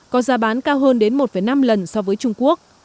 có giá bán cao hơn đến một năm lần so với trung quốc